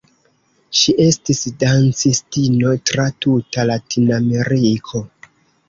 Ŝi estis dancistino tra tuta Latinameriko.